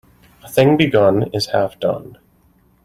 A thing begun is half done.